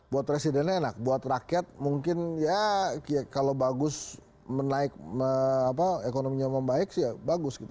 buat presidennya enak buat rakyat mungkin ya kalau bagus menaik ekonominya membaik sih ya bagus gitu